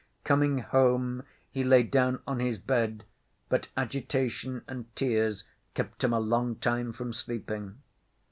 Coming home, he lay down on his bed, but agitation and tears kept him a long time from sleeping...